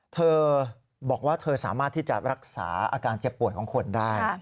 เธอบอกว่าเธอสามารถที่จะรักษาอาการเจ็บป่วยของคนได้